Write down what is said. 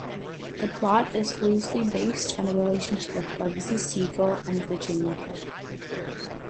The plot is loosely based on the relationship of Bugsy Siegel and Virginia Hill.